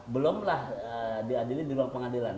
belumlah diadili di ruang pengadilan